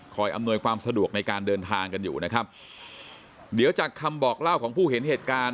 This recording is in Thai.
อำนวยความสะดวกในการเดินทางกันอยู่นะครับเดี๋ยวจากคำบอกเล่าของผู้เห็นเหตุการณ์